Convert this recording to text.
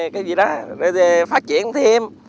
cái gì đó để phát triển thêm